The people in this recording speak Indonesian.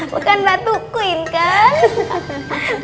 bukan ratu queen kan